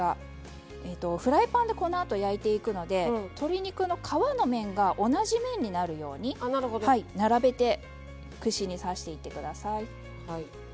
フライパンでこのあと焼いていくので鶏肉の皮の面が同じ面になるように並べて串に刺していってください。